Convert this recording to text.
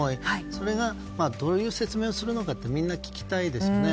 それがどういう説明をするのかみんな聞きたいですよね。